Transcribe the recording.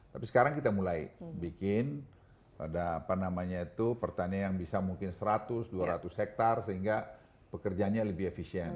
tapi sekarang kita mulai bikin ada pertanian yang bisa mungkin seratus dua ratus hektar sehingga pekerjanya lebih efisien